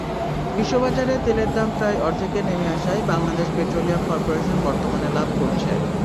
বিশ্ববাজারে তেলের দাম প্রায় অর্ধেকে নেমে আসায় বাংলাদেশ পেট্রোলিয়াম করপোরেশন বর্তমানে লাভ করছে।